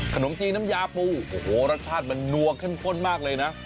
ขนมจีนน้ำยาปูโอ้โหรสชาติมันนัวเข้มข้นมากเลยนะ